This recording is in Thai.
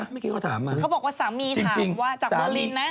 เขาบอกว่าสามีถามว่าจากเบอร์ลินนะ